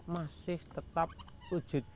masih tetap wujud